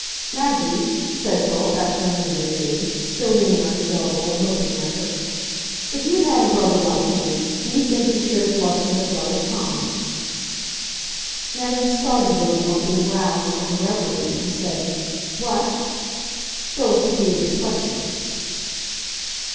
"Maggie," said Philip, after a minute or two, still leaning on his elbow and looking at her, "if you had had a brother like me, do you think you should have loved him as well as Tom?" Maggie started a little on being roused from her reverie, and said, "What?" Philip repeated his question.